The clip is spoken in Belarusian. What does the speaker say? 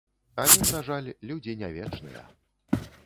Але, на жаль, людзі не вечныя.